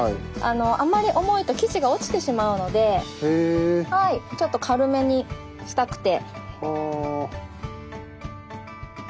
あまり重いと生地が落ちてしまうのでちょっと軽めにしたくて。